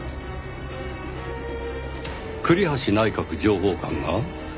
栗橋内閣情報官が？